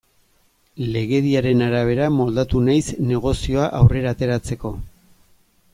Legediaren arabera moldatu naiz negozioa aurrera ateratzeko.